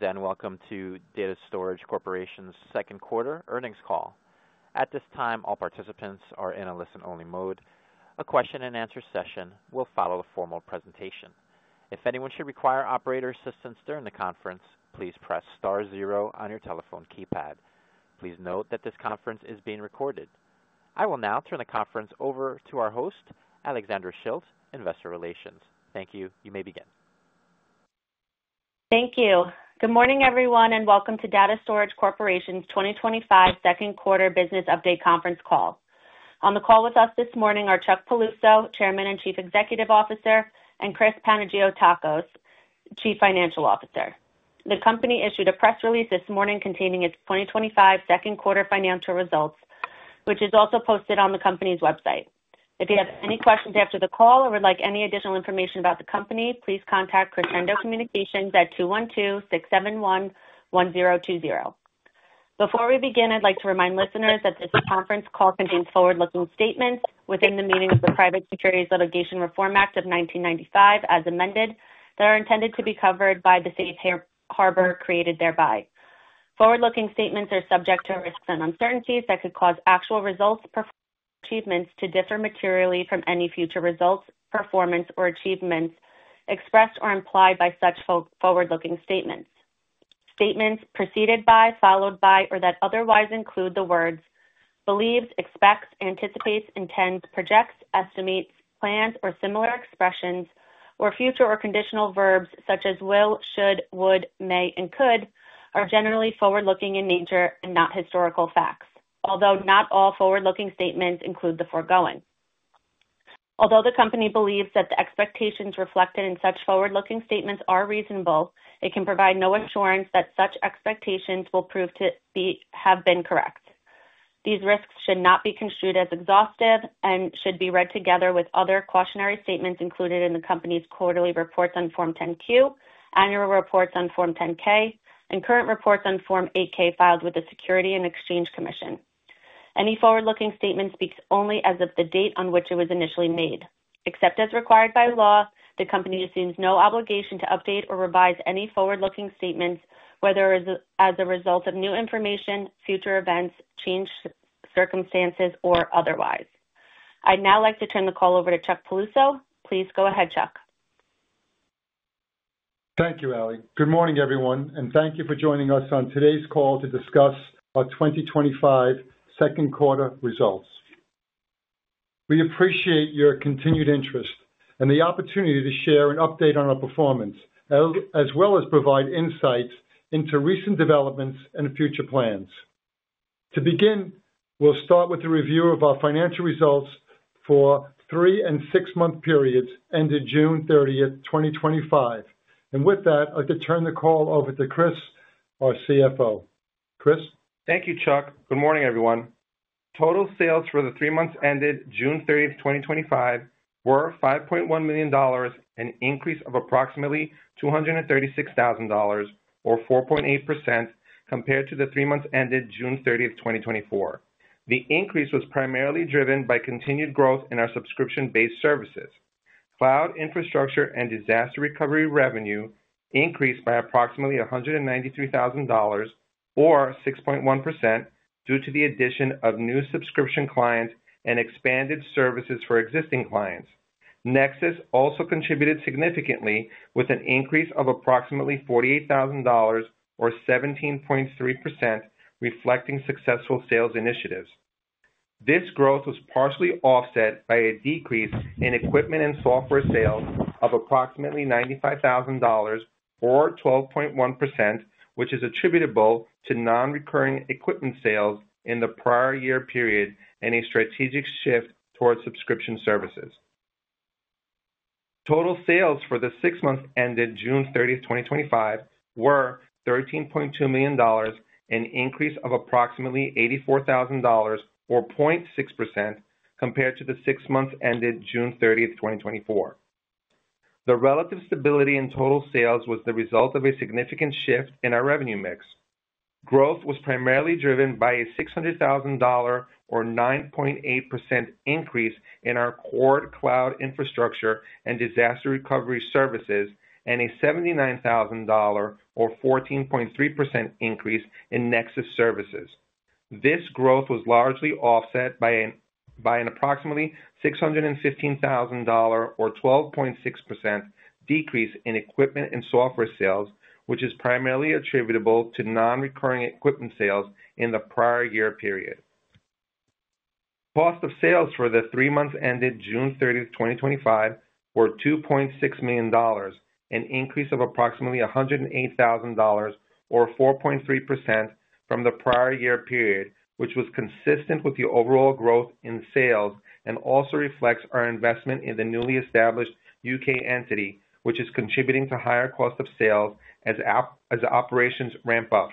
Greetings and welcome to Data Storage Corporation's Second Quarter Earnings Call. At this time, all participants are in a listen-only mode. A question-and-answer session will follow the formal presentation. If anyone should require operator assistance during the conference, please press star zero on your telephone keypad. Please note that this conference is being recorded. I will now turn the conference over to our host, Alexandra Schilt, Investor Relations. Thank you. You may begin. Thank you. Good morning, everyone, and welcome to Data Storage Corporation's 2025 Second Quarter Business Update Conference Call. On the call with us this morning are Chuck Piluso, Chairman and Chief Executive Officer, and Chris Panagiotakos, Chief Financial Officer. The company issued a press release this morning containing its 2025 second quarter financial results, which is also posted on the company's website. If you have any questions after the call or would like any additional information about the company, please contact Crescendo Communications at 212-671-1020. Before we begin, I'd like to remind listeners that this conference call contains forward-looking statements within the meaning of the Private Securities Litigation Reform Act of 1995, as amended, that are intended to be covered by the safe harbor created thereby. Forward-looking statements are subject to risks and uncertainties that could cause actual results or achievements to differ materially from any future results, performance, or achievements expressed or implied by such forward-looking statements. Statements preceded by, followed by, or that otherwise include the words "believes," "expects," "anticipates," "intends," "projects," "estimates," "plans," or similar expressions, or future or conditional verbs such as "will," "should," "would," "may," and "could" are generally forward-looking in nature and not historical facts, although not all forward-looking statements include the foregoing. Although the company believes that the expectations reflected in such forward-looking statements are reasonable, it can provide no assurance that such expectations will prove to have been correct. These risks should not be construed as exhaustive and should be read together with other cautionary statements included in the company's quarterly reports on Form 10-Q, annual reports on Form 10-K, and current reports on Form 8-K filed with the Securities and Exchange Commission. Any forward-looking statement speaks only as of the date on which it was initially made. Except as required by law, the company assumes no obligation to update or revise any forward-looking statements whether as a result of new information, future events, changed circumstances, or otherwise. I'd now like to turn the call over to Chuck Piluso. Please go ahead, Chuck. Thank you, Ally. Good morning, everyone, and thank you for joining us on today's call to discuss our 2025 second quarter results. We appreciate your continued interest and the opportunity to share an update on our performance, as well as provide insights into recent developments and future plans. To begin, we'll start with a review of our financial results for three and six-month periods ended June 30th, 2025. With that, I'd like to turn the call over to Chris, our CFO. Chris? Thank you, Chuck. Good morning, everyone. Total sales for the three months ended June 30th, 2025, were $5.1 million, an increase of approximately $236,000, or 4.8% compared to the three months ended June 30th, 2024. The increase was primarily driven by continued growth in our subscription-based services. Cloud infrastructure and disaster recovery revenue increased by approximately $193,000, or 6.1%, due to the addition of new subscription clients and expanded services for existing clients. Nexus also contributed significantly with an increase of approximately $48,000, or 17.3%, reflecting successful sales initiatives. This growth was partially offset by a decrease in equipment and software sales of approximately $95,000, or 12.1%, which is attributable to non-recurring equipment sales in the prior year period and a strategic shift toward subscription services. Total sales for the six months ended June 30th, 2025, were $13.2 million, an increase of approximately $84,000, or 0.6%, compared to the six months ended June 30th, 2024. The relative stability in total sales was the result of a significant shift in our revenue mix. Growth was primarily driven by a $600,000, or 9.8%, increase in our core cloud infrastructure and disaster recovery services, and a $79,000, or 14.3%, increase in Nexus services. This growth was largely offset by an approximately $615,000, or 12.6%, decrease in equipment and software sales, which is primarily attributable to non-recurring equipment sales in the prior year period. Cost of sales for the three months ended June 30th, 2025, were $2.6 million, an increase of approximately $108,000, or 4.3% from the prior year period, which was consistent with the overall growth in sales and also reflects our investment in the newly established U.K. entity, which is contributing to higher cost of sales as operations ramp up.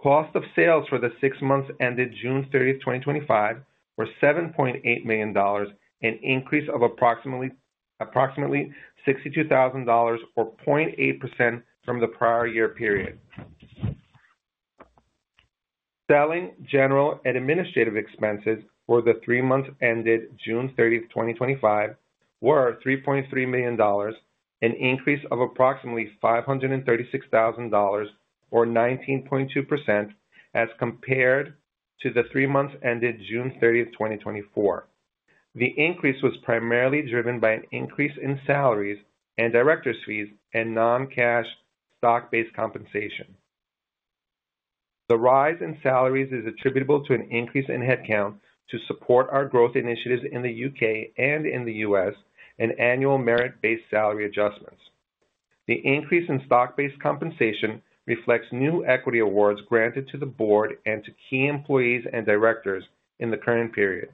Cost of sales for the six months ended June 30th, 2025, were $7.8 million, an increase of approximately $62,000, or 0.8% from the prior year period. Selling, general, and administrative expenses for the three months ended June 30th, 2025, were $3.3 million, an increase of approximately $536,000, or 19.2%, as compared to the three months ended June 30, 2024. The increase was primarily driven by an increase in salaries and directors' fees and non-cash stock-based compensation. The rise in salaries is attributable to an increase in headcount to support our growth initiatives in the U.K. and in the U.S., and annual merit-based salary adjustments. The increase in stock-based compensation reflects new equity awards granted to the board and to key employees and directors in the current period.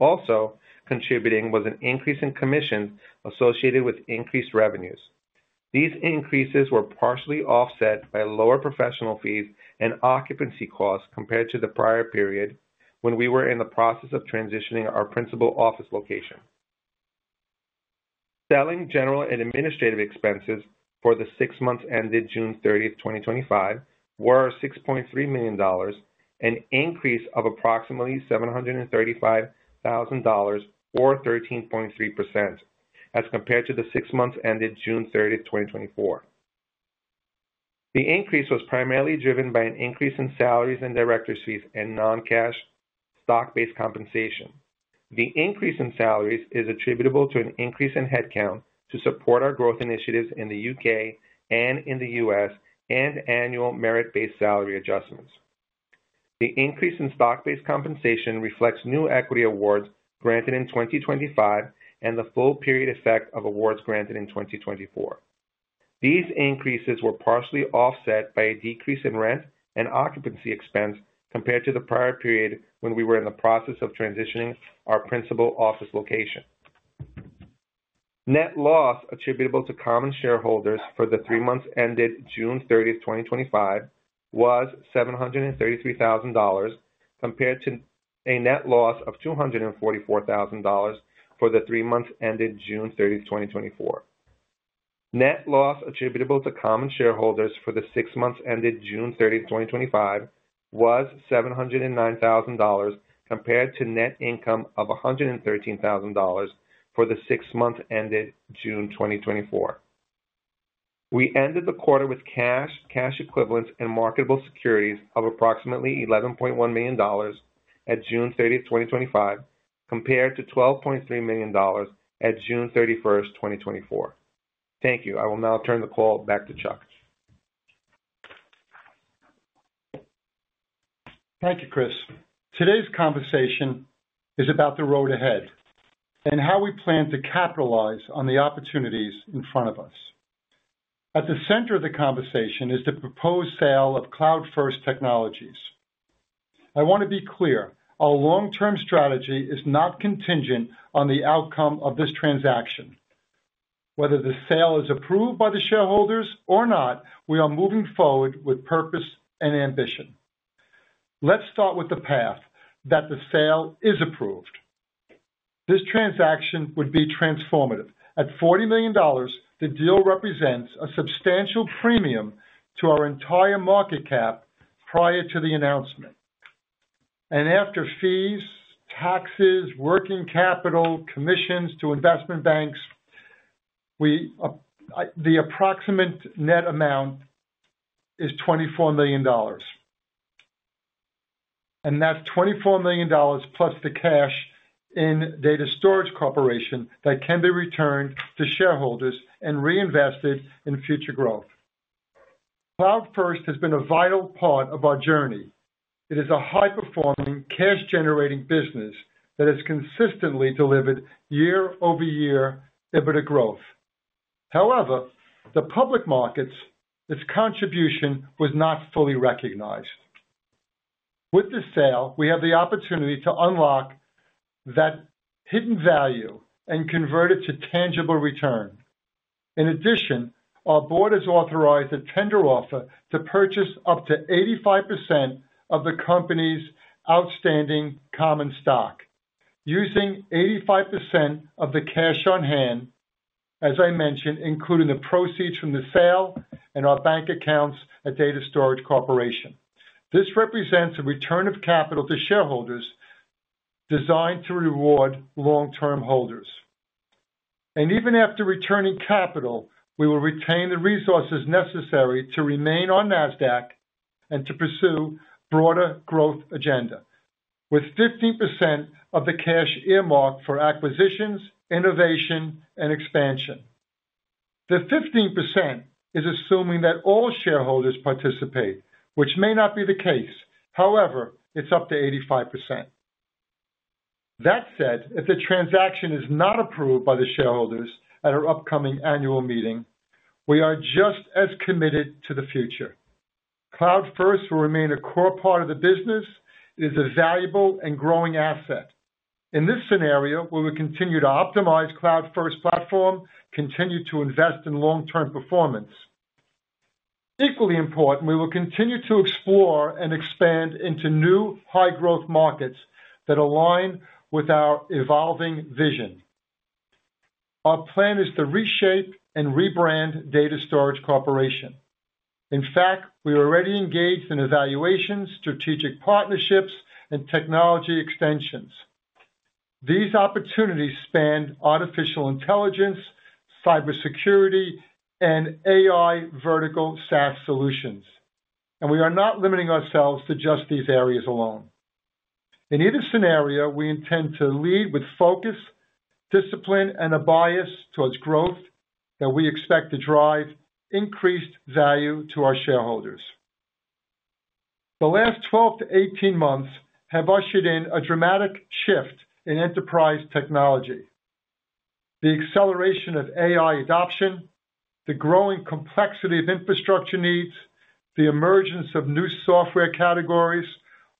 Also contributing was an increase in commissions associated with increased revenues. These increases were partially offset by lower professional fees and occupancy costs compared to the prior period when we were in the process of transitioning our principal office location. Selling, general, and administrative expenses for the six months ended June 30th, 2025, were $6.3 million, an increase of approximately $735,000, or 13.3%, as compared to the six months ended June 30th, 2024. The increase was primarily driven by an increase in salaries and directors' fees and non-cash stock-based compensation. The increase in salaries is attributable to an increase in headcount to support our growth initiatives in the UK and in the U.S., and annual merit-based salary adjustments. The increase in stock-based compensation reflects new equity awards granted in 2025 and the full-period effect of awards granted in 2024. These increases were partially offset by a decrease in rent and occupancy expense compared to the prior period when we were in the process of transitioning our principal office location. Net loss attributable to common shareholders for the three months ended June 30th, 2025, was $733,000, compared to a net loss of $244,000 for the three months ended June 30th, 2024. Net loss attributable to common shareholders for the six months ended June 30th, 2025, was $709,000, compared to net income of $113,000 for the six months ended June, 2024. We ended the quarter with cash, cash equivalents, and marketable securities of approximately $11.1 million at June 30th, 2025, compared to $12.3 million at June 30th, 2024. Thank you. I will now turn the call back to Chuck. Thank you, Chris. Today's conversation is about the road ahead and how we plan to capitalize on the opportunities in front of us. At the center of the conversation is the proposed sale of CloudFirst Technologies. I want to be clear, our long-term strategy is not contingent on the outcome of this transaction. Whether the sale is approved by the shareholders or not, we are moving forward with purpose and ambition. Let's start with the path that the sale is approved. This transaction would be transformative. At $40 million, the deal represents a substantial premium to our entire market cap prior to the announcement. After fees, taxes, working capital, commissions to investment banks, the approximate net amount is $24 million. That's $24 million plus the cash in Data Storage Corporation that can be returned to shareholders and reinvested in future growth. CloudFirst has been a vital part of our journey. It is a high-performing, cash-generating business that has consistently delivered year-over-year growth. However, the public markets, its contribution was not fully recognized. With this sale, we have the opportunity to unlock that hidden value and convert it to tangible return. In addition, our board has authorized a tender offer to purchase up to 85% of the company's outstanding common stock, using 85% of the cash on hand, as I mentioned, including the proceeds from the sale and our bank accounts at Data Storage Corporation. This represents a return of capital to shareholders designed to reward long-term holders. Even after returning capital, we will retain the resources necessary to remain on NASDAQ and to pursue a broader growth agenda, with 15% of the cash earmarked for acquisitions, innovation, and expansion. The 15% is assuming that all shareholders participate, which may not be the case. However, it's up to 85%. If the transaction is not approved by the shareholders at our upcoming annual meeting, we are just as committed to the future. CloudFirst will remain a core part of the business. It is a valuable and growing asset. In this scenario, we will continue to optimize CloudFirst's platform, continue to invest in long-term performance. Equally important, we will continue to explore and expand into new high-growth markets that align with our evolving vision. Our plan is to reshape and rebrand Data Storage Corporation. In fact, we are already engaged in evaluations, strategic partnerships, and technology extensions. These opportunities span artificial intelligence, cybersecurity, and vertical SaaS solutions. We are not limiting ourselves to just these areas alone. In either scenario, we intend to lead with focus, discipline, and a bias towards growth that we expect to drive increased value to our shareholders. The last 12-18 months have ushered in a dramatic shift in enterprise technology. The acceleration of AI adoption, the growing complexity of infrastructure needs, and the emergence of new software categories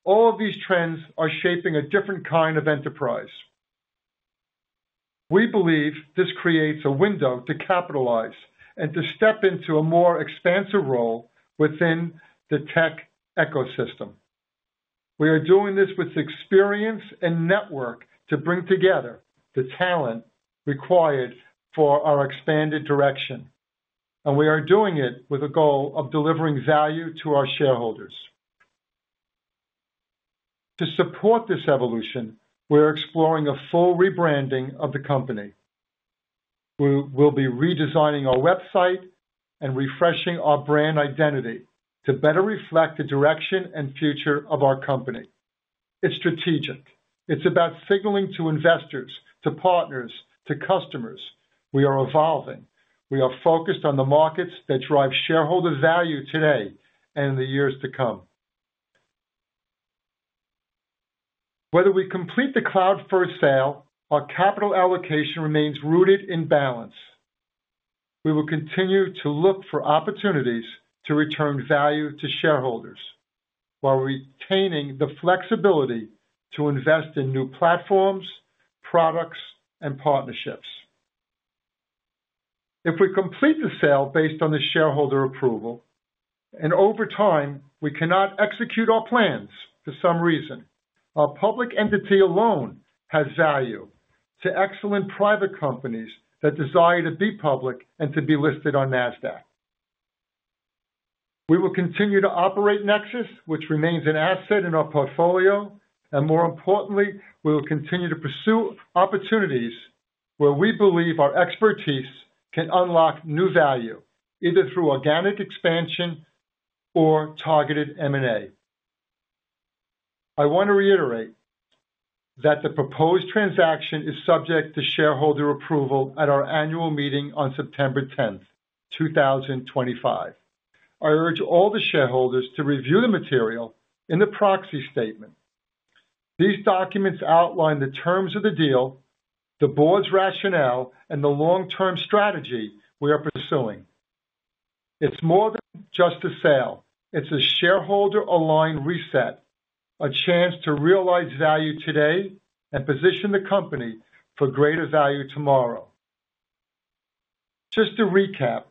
are shaping a different kind of enterprise. We believe this creates a window to capitalize and to step into a more expansive role within the tech ecosystem. We are doing this with the experience and network to bring together the talent required for our expanded direction. We are doing it with a goal of delivering value to our shareholders. To support this evolution, we are exploring a full rebranding of the company. We will be redesigning our website and refreshing our brand identity to better reflect the direction and future of our company. It's strategic. It's about signaling to investors, to partners, to customers. We are evolving. We are focused on the markets that drive shareholder value today and in the years to come. Whether we complete the CloudFirst sale, our capital allocation remains rooted in balance. We will continue to look for opportunities to return value to shareholders while retaining the flexibility to invest in new platforms, products, and partnerships. If we complete the sale based on the shareholder approval, and over time, we cannot execute our plans for some reason, our public entity alone has value to excellent private companies that desire to be public and to be listed on NASDAQ. We will continue to operate NEXXIS, which remains an asset in our portfolio. More importantly, we will continue to pursue opportunities where we believe our expertise can unlock new value, either through organic expansion or targeted M&A. I want to reiterate that the proposed transaction is subject to shareholder approval at our annual meeting on September 10th, 2025. I urge all the shareholders to review the material in the proxy statement. These documents outline the terms of the deal, the board's rationale, and the long-term strategy we are pursuing. It's more than just a sale. It's a shareholder-aligned reset, a chance to realize value today and position the company for greater value tomorrow. Just to recap,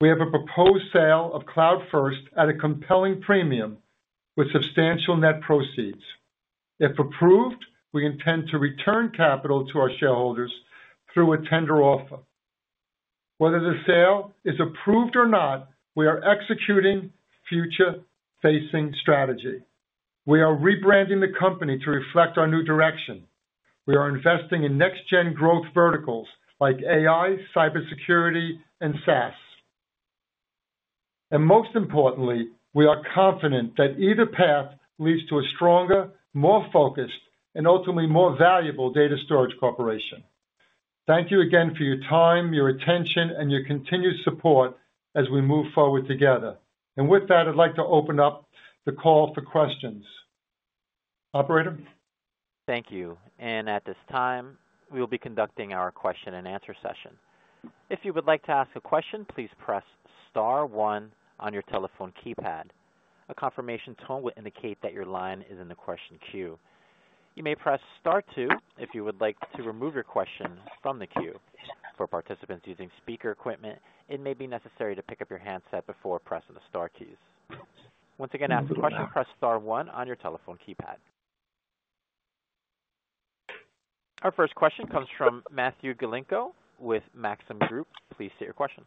we have a proposed sale of CloudFirst at a compelling premium with substantial net proceeds. If approved, we intend to return capital to our shareholders through a tender offer. Whether the sale is approved or not, we are executing a future-facing strategy. We are rebranding the company to reflect our new direction. We are investing in next-gen growth verticals like artificial intelligence, cybersecurity, and SaaS. Most importantly, we are confident that either path leads to a stronger, more focused, and ultimately more valuable Data Storage Corporation. Thank you again for your time, your attention, and your continued support as we move forward together. With that, I'd like to open up the call for questions. Operator? Thank you. At this time, we will be conducting our question and answer session. If you would like to ask a question, please press star one on your telephone keypad. A confirmation tone will indicate that your line is in the question queue. You may press star two if you would like to remove your question from the queue. For participants using speaker equipment, it may be necessary to pick up your handset before pressing the star keys. Once again, to ask a question, press star one on your telephone keypad. Our first question comes from Matthew Galinko with Maxim Group. Please state your question.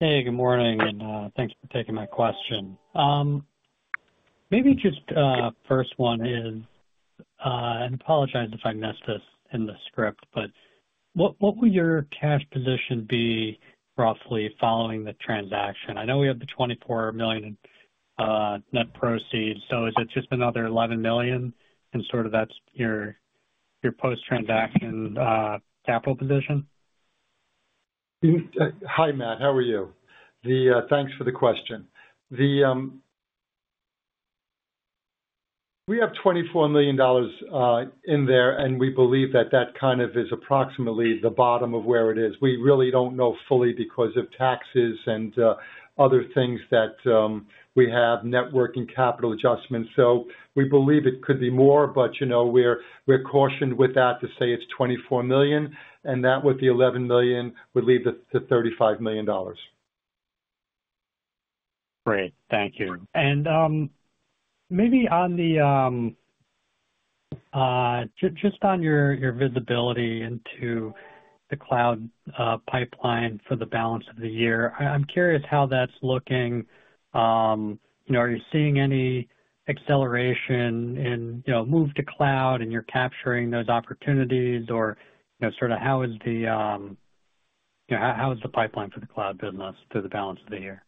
Hey, good morning, and thank you for taking my question. Maybe just the first one is, and I apologize if I missed this in the script, but what will your cash position be roughly following the transaction? I know we have the $24 million net proceeds, so that's just another $11 million, and that's your post-transaction capital position? Hi, Matt. How are you? Thanks for the question. We have $24 million in there, and we believe that that kind of is approximately the bottom of where it is. We really don't know fully because of taxes and other things that we have, networking capital adjustments. We believe it could be more, but you know we're cautioned with that to say it's $24 million, and that with the $11 million would lead to $35 million. Thank you. Maybe on your visibility into the cloud pipeline for the balance of the year, I'm curious how that's looking. Are you seeing any acceleration in move to cloud and you're capturing those opportunities, or how is the pipeline for the cloud business through the balance of the year?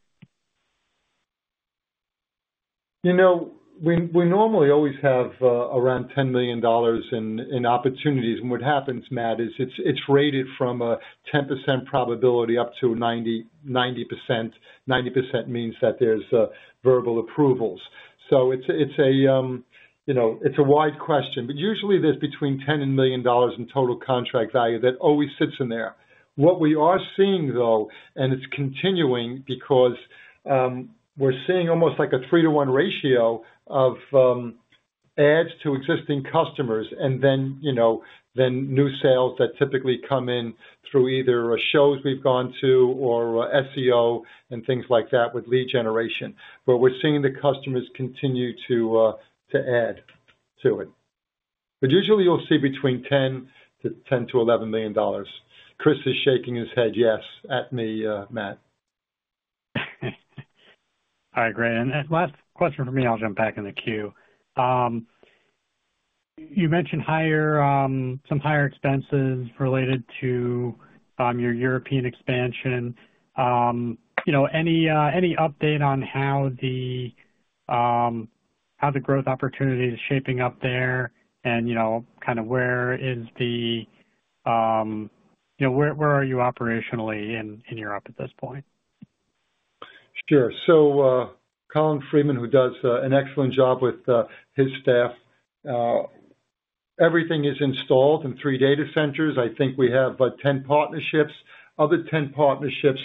We normally always have around $10 million in opportunities. What happens, Matt, is it's rated from a 10% probability up to 90%. 90% means that there's verbal approvals. It's a wide question. Usually, there's between $10 million in total contract value that always sits in there. What we are seeing, though, is it's continuing because we're seeing almost like a three-to-one ratio of adds to existing customers and then new sales that typically come in through either shows we've gone to or SEO and things like that with lead generation, where we're seeing the customers continue to add to it. Usually, you'll see between $10 million-$11 million. Chris is shaking his head yes at me, Matt. All right, great. Last question from me, I'll jump back in the queue. You mentioned some higher expenses related to your European expansion. Any update on how the growth opportunity is shaping up there, and kind of where are you operationally in Europe at this point? Sure. Colin Freeman, who does an excellent job with his staff, everything is installed in three data centers. I think we have about 10 partnerships. Of the 10 partnerships,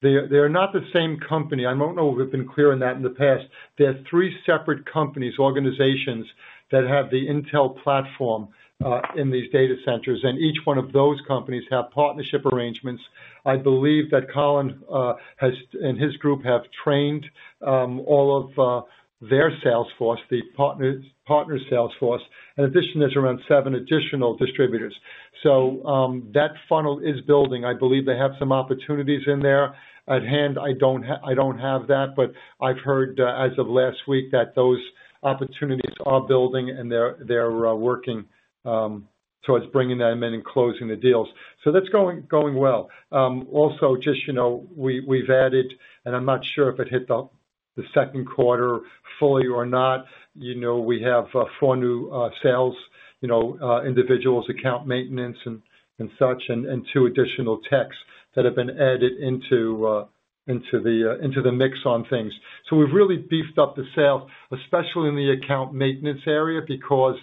they are not the same company. I don't know if we've been clear on that in the past. They are three separate companies, organizations that have the Intel platform in these data centers. Each one of those companies has partnership arrangements. I believe that Colin and his group have trained all of their sales force, the partner sales force. In addition, there's around seven additional distributors. That funnel is building. I believe they have some opportunities in there. At hand, I don't have that, but I've heard as of last week that those opportunities are building and they're working towards bringing them in and closing the deals. That's going well. Also, we've added, and I'm not sure if it hit the second quarter fully or not, we have four new sales individuals, account maintenance, and such, and two additional techs that have been added into the mix on things. We've really beefed up the sales, especially in the account maintenance area because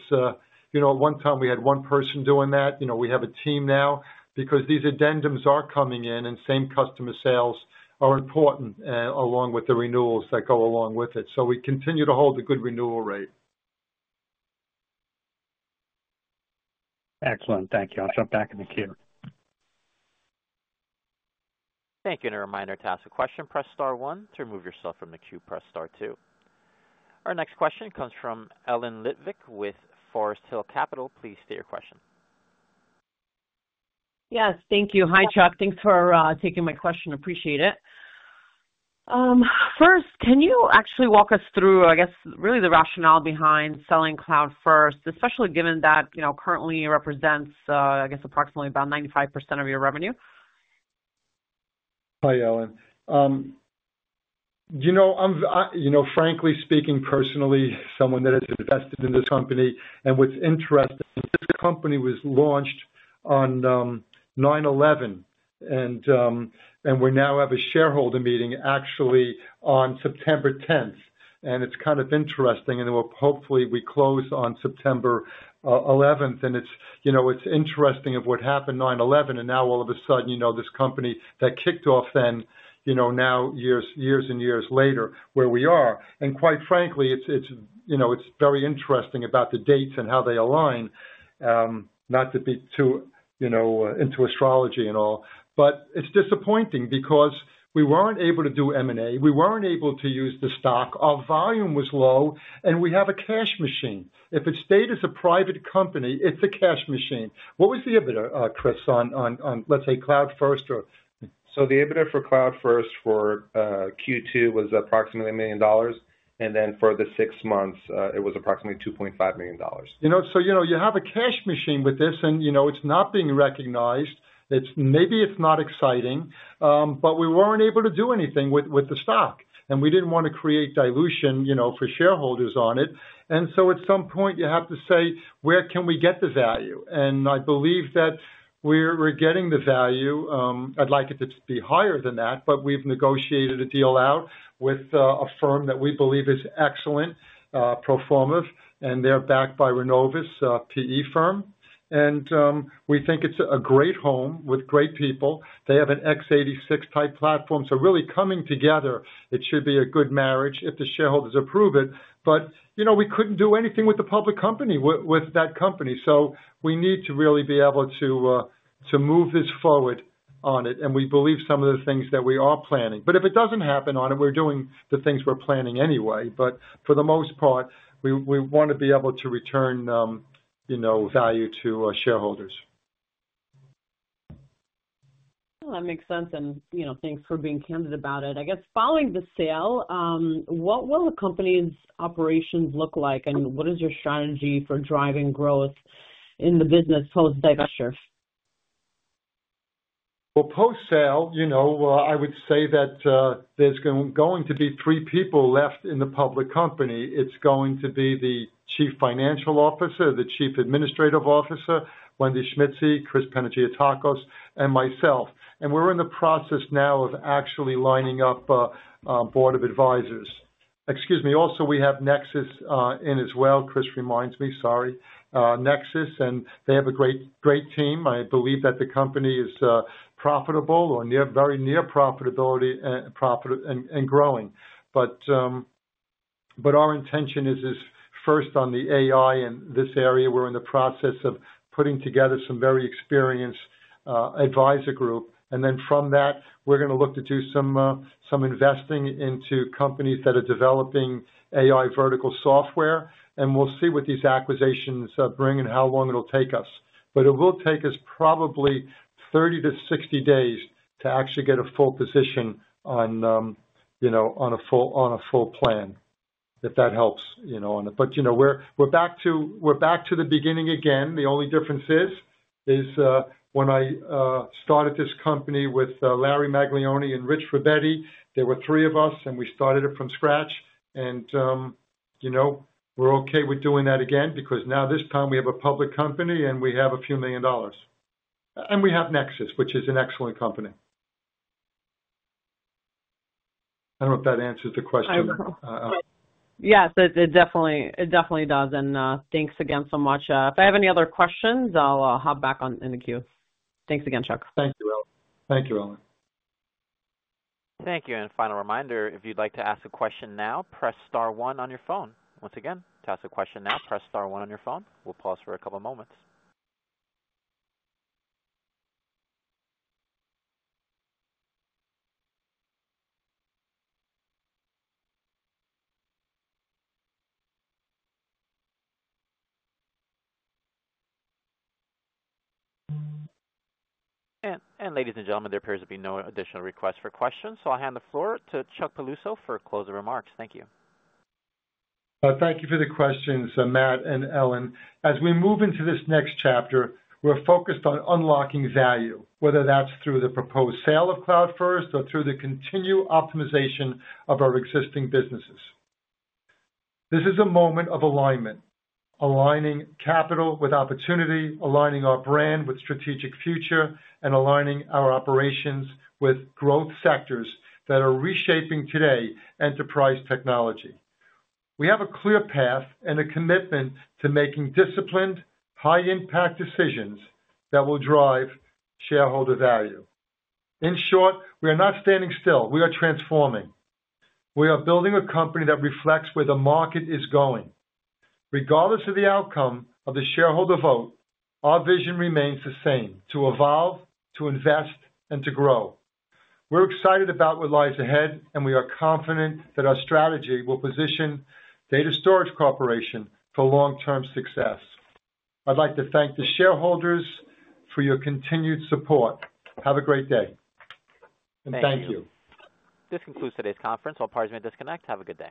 at one time we had one person doing that. We have a team now because these addendums are coming in and same customer sales are important along with the renewals that go along with it. We continue to hold a good renewal rate. Excellent. Thank you. I'll jump back in the queue. Thank you. A reminder to ask a question, press star one. To remove yourself from the queue, press star two. Our next question comes from Ellen Litvick with Forest Hill Capital. Please state your question. Yes, thank you. Hi, Chuck. Thanks for taking my question. Appreciate it. First, can you actually walk us through the rationale behind selling CloudFirst? Especially given that currently it represents approximately 95% of your revenue. Hi, Ellen. Frankly speaking, personally, someone that has invested in this company, and what's interesting is this company was launched on 9/11, and we now have a shareholder meeting actually on September 10th. It's kind of interesting, and hopefully, we close on September 11th. It's interesting what happened 9/11, and now all of a sudden, this company that kicked off then, now years and years later where we are. Quite frankly, it's very interesting about the dates and how they align, not to be too into astrology and all, but it's disappointing because we weren't able to do M&A. We weren't able to use the stock. Our volume was low, and we have a cash machine. If it stayed as a private company, it's a cash machine. What was the EBITDA, Chris, on, let's say, CloudFirst? EBITDA for CloudFirst for Q2 was approximately $1 million, and then for the six months, it was approximately $2.5 million. You have a cash machine with this, and it's not being recognized. Maybe it's not exciting, but we weren't able to do anything with the stock. We didn't want to create dilution for shareholders on it. At some point, you have to say, where can we get the value? I believe that we're getting the value. I'd like it to be higher than that, but we've negotiated a deal out with a firm that we believe is excellent, pro forma, and they're backed by Renovus PE firm. We think it's a great home with great people. They have an x86-type platform. Really coming together, it should be a good marriage if the shareholders approve it. We couldn't do anything with the public company with that company. We need to really be able to move this forward on it. We believe some of the things that we are planning. If it doesn't happen on it, we're doing the things we're planning anyway. For the most part, we want to be able to return value to our shareholders. That makes sense. Thanks for being candid about it. I guess following the sale, what will the company's operations look like? What is your strategy for driving growth in the business post divestiture? Post-sale, I would say that there's going to be three people left in the public company. It's going to be the Chief Financial Officer, the Chief Administrative Officer, Wendy Schmittzeh, Chris Panagiotakos, and myself. We're in the process now of actually lining up a board of advisors. Excuse me. Also, we have NEXXIS in as well. Chris reminds me, sorry. NEXXIS, and they have a great team. I believe that the company is profitable or very near profitability and growing. Our intention is first on the artificial intelligence in this area. We're in the process of putting together some very experienced advisor group. From that, we're going to look to do some investing into companies that are developing artificial intelligence vertical software. We'll see what these acquisitions bring and how long it'll take us. It will take us probably 30-60 days to actually get a full position on a full plan, if that helps, you know, on it. We're back to the beginning again. The only difference is when I started this company with Larry Maglione and Rich Rebetti, there were three of us, and we started it from scratch. We're okay with doing that again because now this time we have a public company, and we have a few million dollars. We have NEXXIS, which is an excellent company. I don't know if that answers the question. Yes, it definitely does. Thanks again so much. If I have any other questions, I'll hop back in the queue. Thanks again, Chuck. Thank you, Ellen. Thank you. A final reminder, if you'd like to ask a question now, press star one on your phone. Once again, to ask a question now, press star one on your phone. We'll pause for a couple moments. Ladies and gentlemen, there appears to be no additional requests for questions. I'll hand the floor to Chuck Piluso for closing remarks. Thank you. Thank you for the questions, Matt and Ellen. As we move into this next chapter, we're focused on unlocking value, whether that's through the proposed sale of CloudFirst or through the continued optimization of our existing businesses. This is a moment of alignment, aligning capital with opportunity, aligning our brand with strategic future, and aligning our operations with growth sectors that are reshaping today's enterprise technology. We have a clear path and a commitment to making disciplined, high-impact decisions that will drive shareholder value. In short, we are not standing still. We are transforming. We are building a company that reflects where the market is going. Regardless of the outcome of the shareholder vote, our vision remains the same, to evolve, to invest, and to grow. We're excited about what lies ahead, and we are confident that our strategy will position Data Storage Corporation for long-term success. I'd like to thank the shareholders for your continued support. Have a great day. Thank you. This concludes today's conference. All parties may disconnect. Have a good day.